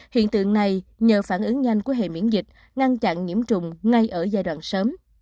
hiện tượng này nhờ phản ứng nhanh của hệ miễn dịch ngăn chặn nhiễm trùng ngay ở giai đoạn sớm